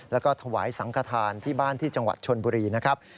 และถวายสังขทานที่จังหวัดชนบุรีนะครับ